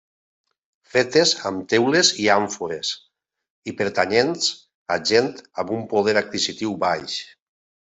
Fetes amb teules i àmfores i pertanyents a gent amb un poder adquisitiu baix.